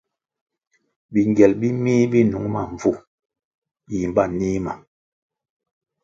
Bingyel bi mih bi nung ma mbvu, yimba nih ma.